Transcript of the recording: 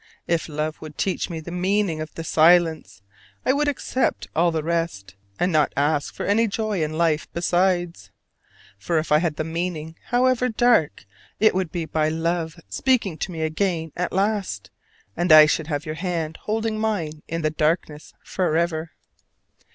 If love would teach me the meaning of this silence, I would accept all the rest, and not ask for any joy in life besides. For if I had the meaning, however dark, it would be by love speaking to me again at last; and I should have your hand holding mine in the darkness forever.